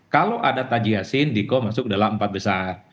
kalau ada taji yasin diko masuk dalam empat besar